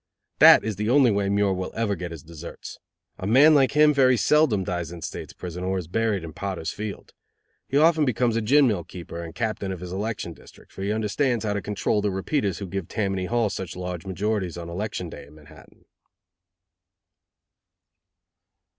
That is the only way Muir will ever get his deserts. A man like him very seldom dies in state's prison, or is buried in potter's field. He often becomes a gin mill keeper and captain of his election district, for he understands how to control the repeaters who give Tammany Hall such large majorities on election day in Manhattan.